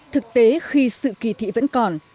thực tế khi sự kỳ thị vẫn còn